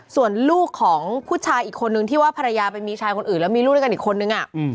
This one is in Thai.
ส่วนลูกของผู้ชายอีกคนนึงที่ว่าภรรยาไปมีชายคนอื่นแล้วมีลูกด้วยกันอีกคนนึง